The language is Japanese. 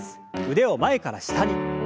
腕を前から下に。